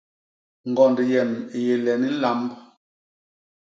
Ñgond yem i yé len nlamb.